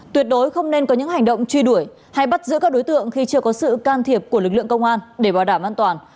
tuyệt đối không nên có những hành động truy đuổi hay bắt giữ các đối tượng khi chưa có sự can thiệp của lực lượng công an để bảo đảm an toàn